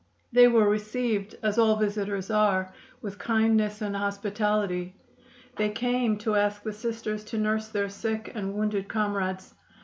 They were received, as all visitors are, with kindness and hospitality. They came to ask the Sisters to nurse their sick and wounded comrades.